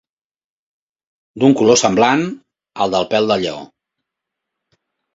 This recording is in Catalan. D'un color semblant al del pèl del lleó.